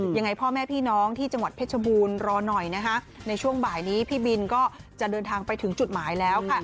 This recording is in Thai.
ยังไงพ่อแม่พี่น้องที่จังหวัดเพชรบูรณ์รอหน่อยนะคะในช่วงบ่ายนี้พี่บินก็จะเดินทางไปถึงจุดหมายแล้วค่ะ